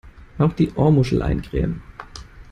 Auch die Ohrmuschel eincremen!